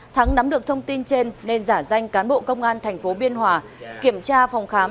thắng nắm được thông tin trên nên giả danh cán bộ công an tp biên hòa kiểm tra phòng khám